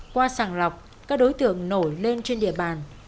qua sàng lọc các đối tượng nổi lên trên địa bàn